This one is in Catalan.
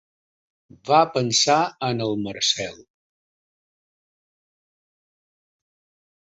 Va pensar en el Marcel.